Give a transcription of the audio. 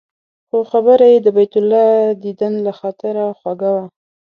خو خبره یې د بیت الله دیدن له خاطره خوږه وه.